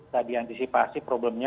tidak diantisipasi problemnya